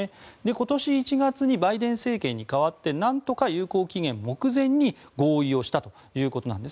今年１月にバイデン政権に代わってなんとか有効期限目前に合意をしたということです。